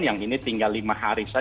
yang ini tinggal lima hari